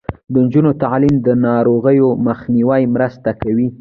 د نجونو تعلیم د ناروغیو مخنیوي مرسته کوي.